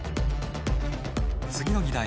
次の議題